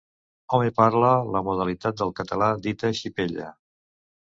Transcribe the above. Hom hi parla la modalitat del català dita xipella.